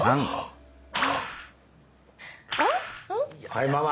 はいママ。